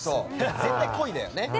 絶対、恋だよね。